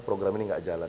program ini gak jalan